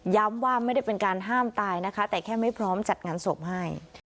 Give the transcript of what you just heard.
ว่าไม่ได้เป็นการห้ามตายนะคะแต่แค่ไม่พร้อมจัดงานศพให้